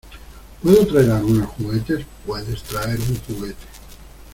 ¿ Puedo traer algunos juguetes? Puedes traer un juguete.